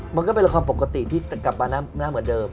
มันก็เป็นละครปกติที่จะกลับมาหน้าเหมือนเดิม